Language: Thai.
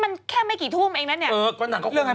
แล้วยังไง